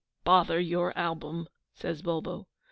'Bother your album!' says Bulbo.